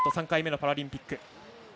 ３回目のパラリンピック。